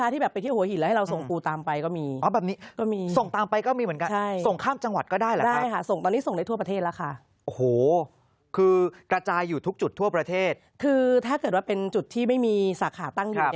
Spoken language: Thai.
ถ้าเป็นจุดที่ไม่มีสาขาตั้งอยู่เนี่ยค่ะ